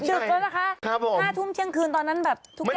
ดึกแล้วนะคะ๕ทุ่มเที่ยงคืนตอนนั้นแบบทุกอย่าง